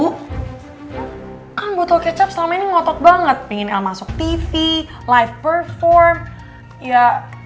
kan butuh kecap selama ini ngotot banget pengen masuk tv live perform ya